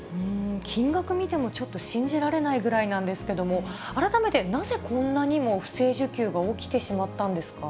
金額見ても、ちょっと信じられないぐらいなんですけども、改めて、なぜこんなにも不正受給が起きてしまったんですか。